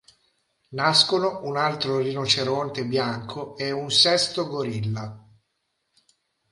Nascono un altro rinoceronte bianco e un sesto gorilla.